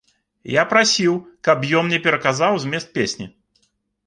Я прасіў, каб ён мне пераказаў змест песні.